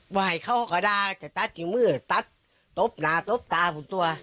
มาให้เขาเขาฆ่าหน้าจะตั๊ดอยู่มือตั๊ดต๊อบหนาต่อตะคือตั๋ว